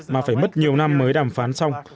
mà phải mất nhiều năm mới đàm phán xong